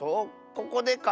ここでか？